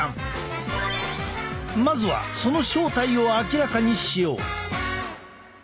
まずはその正体を明らかにしよう。